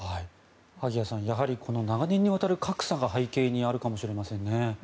萩谷さん、やはりこの長年にわたる格差が背景にあるかもしれませんね。